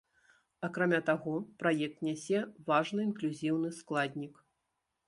Акрамя таго, праект нясе важны інклюзіўны складнік.